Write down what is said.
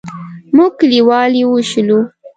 موږ کلیوال یې وویشلو.